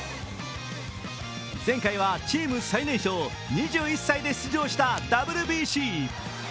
前回はチーム最年少２１歳で出場したＷＢＣ。